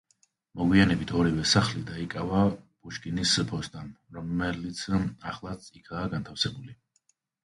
მოგვიანებით ორივე სახლი დაიკავა პუშკინის ფოსტამ, რომელიც ახლაც იქაა განთავსებული.